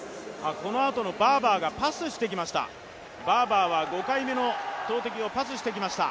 このあとのバーバーが５回目の投てきをパスしてきました。